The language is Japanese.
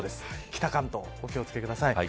北関東お気を付けください。